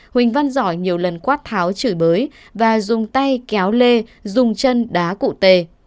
huỳnh văn giỏi nhiều lần quát tháo chửi bới và dùng tay kéo lê dùng chân đá cụ tề